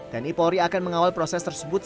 tni polri akan mengawal proses tersebut